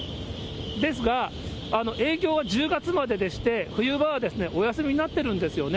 ですが、営業は１０月まででして、冬場はお休みになっているんですよね。